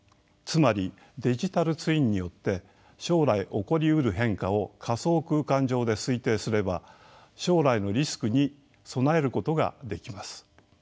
つまりデジタルツインによって将来起こりうる変化を仮想空間上で推定すれば将来のリスクに備えることができます。